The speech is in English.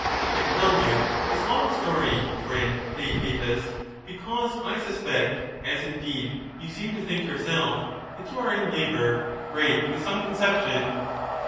I tell you this long story, friend Theaetetus, because I sus pect, as indeed you seem to think yourself, that you are in labour— great with some conception.